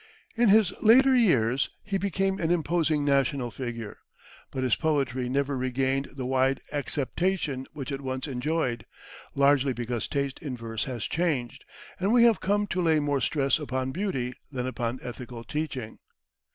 In his later years, he became an imposing national figure. But his poetry never regained the wide acceptation which it once enjoyed, largely because taste in verse has changed, and we have come to lay more stress upon beauty than upon ethical teaching.